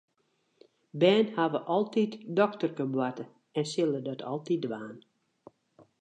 Bern hawwe altyd dokterkeboarte en sille dat altyd dwaan.